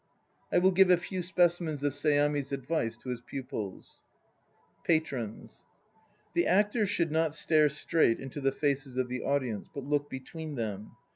I will give a few specimens of Seami's advice to his pupils: PATRONS The actor should not stare straight into the faces of the audience, but look between them.